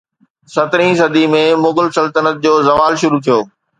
سترهين صديءَ ۾ مغل سلطنت جو زوال شروع ٿيو